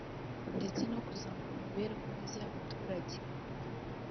ndetse no kuzamura imibereho myiza y’abaturage